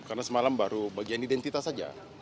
karena semalam baru bagian identitas saja